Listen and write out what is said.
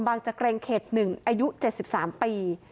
คำบังจะแกร่งเข็ดหนึ่งอายุเจ็ดสิบสามปี